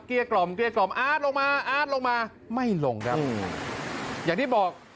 กล่อมเกลี้ยกล่อมอาร์ตลงมาอาร์ตลงมาไม่ลงครับอย่างที่บอก